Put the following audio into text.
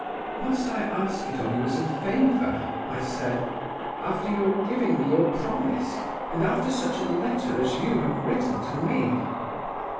"'Must I ask it of you as a favor,' I said, 'after your giving me your promise, and after such a letter as you have written to me?